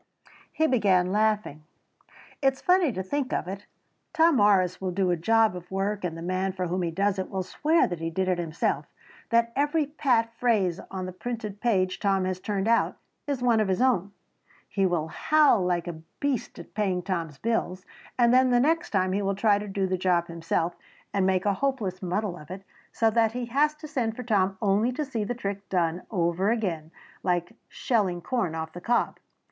He began laughing. "It is funny to think of it. Tom Morris will do a job of work and the man for whom he does it will swear that he did it himself, that every pat phrase on the printed page Tom has turned out, is one of his own. He will howl like a beast at paying Tom's bill, and then the next time he will try to do the job himself and make a hopeless muddle of it so that he has to send for Tom only to see the trick done over again like shelling corn off the cob.